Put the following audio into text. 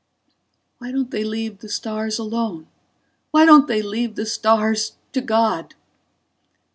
_ _Why don't they leave the stars alone? Why don't they leave the stars to God?